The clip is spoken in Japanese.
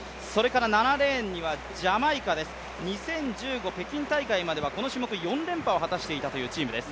７レーンはジャマイカです、２０１５、北京大会まではこの種目４連覇を果たしていたというチームです。